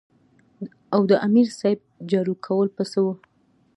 او د امیر صېب جارو کول به څۀ وو ـ